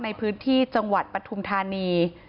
ในพื้นที่จังหวัดปฐุมธานี